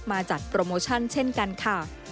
มาจัดโปรโมชั่นเช่นกันค่ะ